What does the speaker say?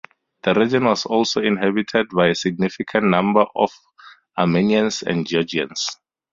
The region was also inhabited by a significant number of Armenians and Georgians.